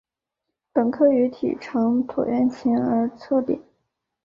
本科鱼体长椭圆形而侧扁。